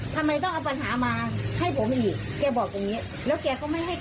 ทำไมต้องเอาปัญหามาให้ผมอีก